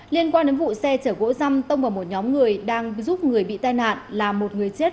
liên quan đến vụ xe chở gỗ răm tông vào một nhóm người đang giúp người bị tai nạn là một người chết